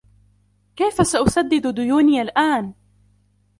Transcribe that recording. كيفَ سأسدد ديونى الآن؟